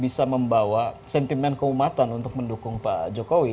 bisa membawa sentimen keumatan untuk mendukung pak jokowi